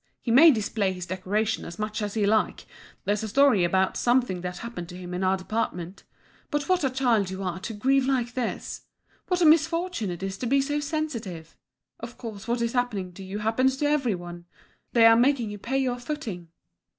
He may display his decoration as much as he likes, there's a story about something that happened to him in our department. But what a child you are to grieve like this! What a misfortune it is to be so sensitive! Of course, what is happening to you happens to every one; they are making you pay your footing."